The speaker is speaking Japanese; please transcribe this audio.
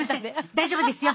大丈夫ですよ。